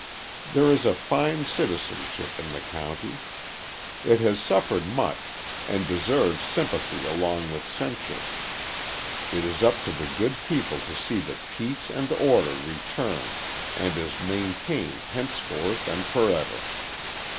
There is a fine citizenship in the county. It has suffered much, and deserves sympathy along with censure. It is up to the good people to see that peace and order return and is maintained henceforth and forever.